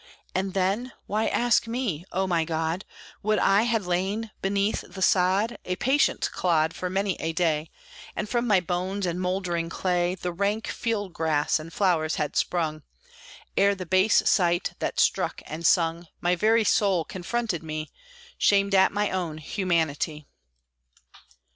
And then why ask me? O my God! Would I had lain beneath the sod, A patient clod, for many a day, And from my bones and mouldering clay The rank field grass and flowers had sprung, Ere the base sight, that struck and stung My very soul, confronted me, Shamed at my own humanity.